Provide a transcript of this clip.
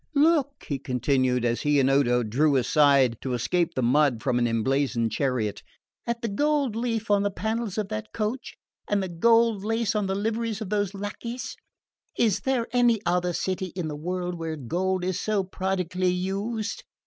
"Look," he continued, as he and Odo drew aside to escape the mud from an emblazoned chariot, "at the gold leaf on the panels of that coach and the gold lace on the liveries of those lacqueys. Is there any other city in the world where gold is so prodigally used?